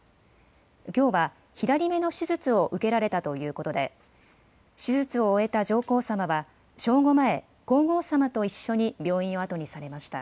きょうは左目の手術を受けられたということで、手術を終えた上皇さまは、正午前、皇后さまと一緒に病院を後にされました。